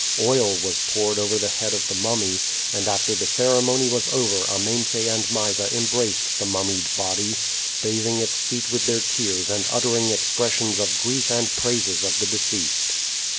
Oil was poured over the head of the mummy, and after the ceremony was over Amense and Mysa embraced the mummied body, bathing its feet with their tears and uttering expressions of grief and praises of the deceased.